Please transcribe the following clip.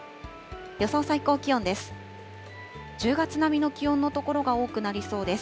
予想最高気温です。